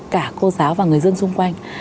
cả cô giáo và người dân xung quanh